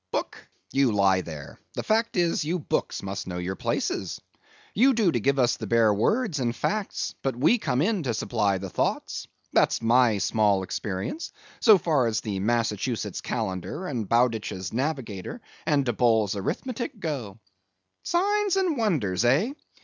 Book! you lie there; the fact is, you books must know your places. You'll do to give us the bare words and facts, but we come in to supply the thoughts. That's my small experience, so far as the Massachusetts calendar, and Bowditch's navigator, and Daboll's arithmetic go. Signs and wonders, eh?